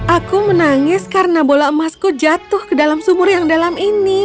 aku menangis karena bola emasku jatuh ke dalam sumur yang dalam ini